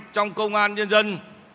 trong công an nhân dân